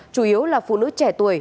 chủ yếu là phụ nữ trẻ tuổi